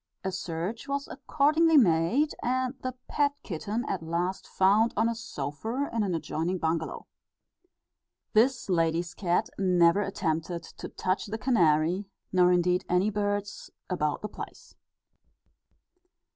A search was accordingly made, and the pet kitten at last found on a sofa, in an adjoining bungalo. This lady's cat never attempted to touch the canary, nor indeed any birds about the place.